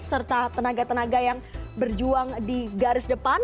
serta tenaga tenaga yang berjuang di garis depan